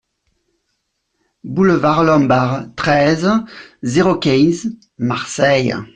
Boulevard Lombard, treize, zéro quinze Marseille